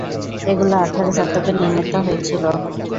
এগুলো আঠারো শতকে নির্মিত হয়েছিল।